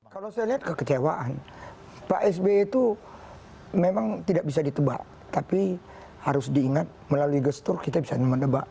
kalau saya lihat kekecewaan pak sby itu memang tidak bisa ditebak tapi harus diingat melalui gestur kita bisa mendebak